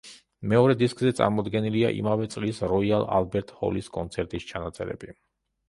მეორე დისკზე წარმოდგენილია იმავე წლის როიალ ალბერტ ჰოლის კონცერტის ჩანაწერები.